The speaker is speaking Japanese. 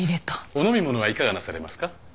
お飲み物はいかがなされますか？